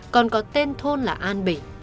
còn có tên thôn là an bỉ